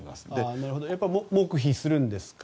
なるほどやはり黙秘するんですかね。